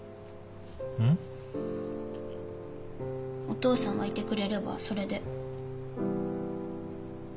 お父さんはいてくれればそれで。